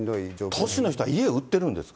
都市の人は家を売ってるんですか。